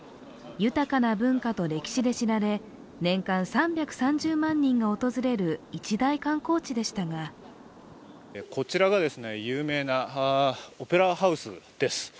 豊かな文化と歴史で知られ年間３３０万人が訪れる一大観光地でしたがこちらが有名なオペラハウスです。